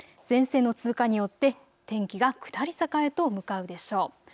前線の通過によって天気が下り坂へと向かうでしょう。